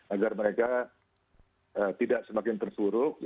agar mereka tidak semakin terpuruk